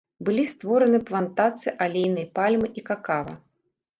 Былі створаны плантацыі алейнай пальмы і какава.